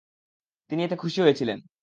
তিনি এতে খুশী হয়েছিলেন।